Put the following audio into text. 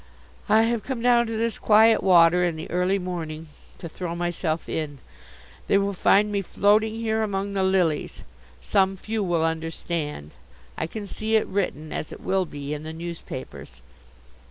I have come down to this quiet water in the early morning to throw myself in. They will find me floating here among the lilies. Some few will understand. I can see it written, as it will be, in the newspapers.